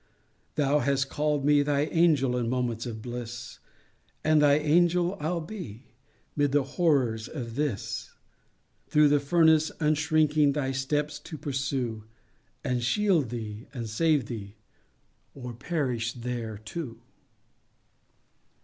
Thou hast call'd me thy Angel in moments of bliss, And thy Angel I'll be, 'mid the horrors of this,— Through the furnace, unshrinking, thy steps to pursue, And shield thee, and save thee,—or perish there too!